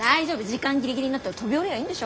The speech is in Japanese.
時間ギリギリになったら飛び降りりゃいいんでしょ。